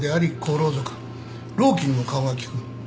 労基にも顔が利く。